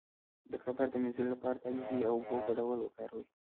د کبر د مینځلو لپاره د عاجزۍ او اوبو ګډول وکاروئ